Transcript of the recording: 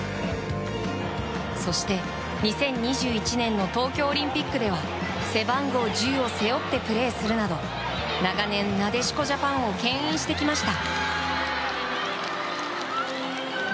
そして、２０２１年の東京オリンピックでは背番号１０を背負ってプレーするなど長年、なでしこジャパンを牽引してきました。